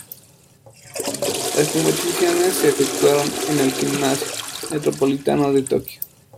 Las competiciones se efectuaron en el Gimnasio Metropolitano de Tokio.